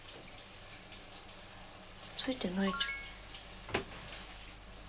ついてないじゃん。